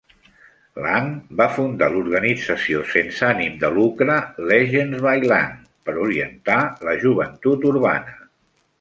Lang va fundar l'organització sense ànim de lucre "Legends by Lang" per orientar la joventut urbana.